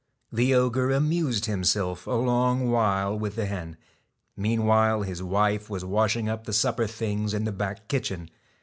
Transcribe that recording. The ogre amused himself a long while with the hen; meanwhile his wife was washing up the supper things in the back kitchen.